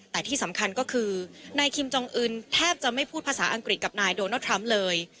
แต่ที่สำคัญก็คือนายคิมจองอื่นแทบจะไม่พูดภาษาอังกฤษกับนายโดนัลดทรัมป์เลย